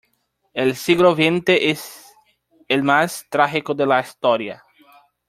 El siglo veinte es el más trágico de la historia.